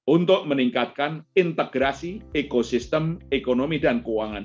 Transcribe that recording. untuk meningkatkan integrasi ekosistem ekonomi dan keuangan